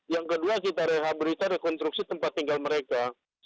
yang kedua kita rehabilitasi rekonstruksi tempat tinggal mereka